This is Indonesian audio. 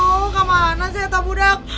aduh kemana sih teh budak